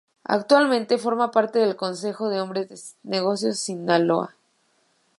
Actualmente forma parte del Consejo de Hombres de Negocios de Sinaloa.